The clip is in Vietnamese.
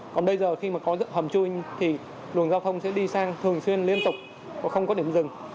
còn bây giờ khi có hầm chui thì lường giao thông sẽ đi sang thường xuyên liên tục và không có điểm dừng